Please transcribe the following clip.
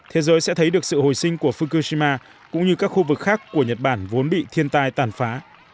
thế giới sẽ thấy được sự hồi sinh của fukushima cũng như các khu vực khác của nhật bản vốn bị thiên tai tàn phá